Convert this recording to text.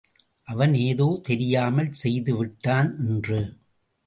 அவன் ஏதோ தெரியாமல் செய்து விட்டான் என்று.